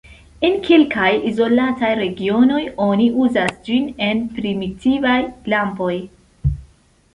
En kelkaj izolataj regionoj, oni uzas ĝin en primitivaj lampoj.